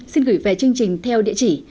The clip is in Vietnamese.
xin gửi về chương trình theo địa chỉ